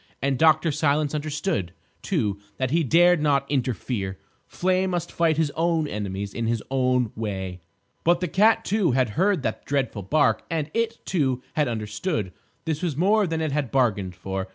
And Dr. Silence understood, too, that he dared not interfere. Flame must fight his own enemies in his own way. But the cat, too, had heard that dreadful bark; and it, too, had understood. This was more than it had bargained for.